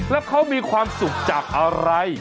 แล้วเขามีความสุขจากอะไร